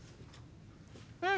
うん。